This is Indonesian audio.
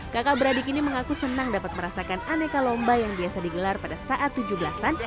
kakak beradik ini mengaku senang dapat merasakan aneka lomba yang biasa digelar pada saat tujuh belas an